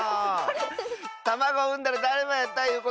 たまごをうんだらだるまやったいうことか？